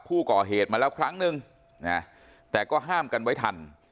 ผู้ก่อเหตุมาแล้วครั้งนึงนะแต่ก็ห้ามกันไว้ทัน